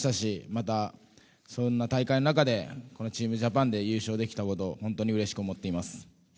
また、そんな大会の中でこのチームジャパンで優勝できたこと本当にうれしく思っています。